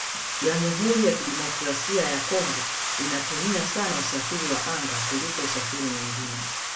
Jamhuri ya Kidemokrasia ya Congo inatumia sana usafiri wa anga kuliko usafiri mwingine